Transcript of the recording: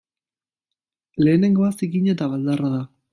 Lehenengoa zikina eta baldarra da.